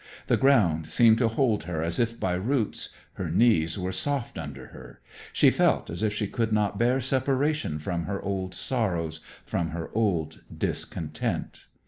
The ground seemed to hold her as if by roots. Her knees were soft under her. She felt as if she could not bear separation from her old sorrows, from her old discontent.